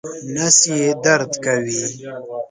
نس یې درد کوي